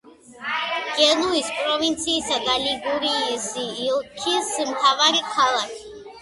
გენუის პროვინციისა და ლიგურიის ოლქის მთავარი ქალაქი.